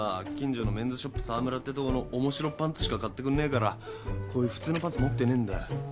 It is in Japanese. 沢村ってとこの面白パンツしか買ってくんねえからこういう普通のパンツ持ってねえんだよ。